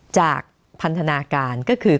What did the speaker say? จากพันธนาการก็คือ